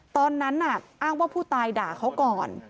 ตอนนั้นอ้างว่าผู้ตายด่าเขาก่อน